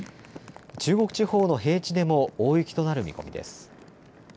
中国地方の平地でも大雪となる見込みです。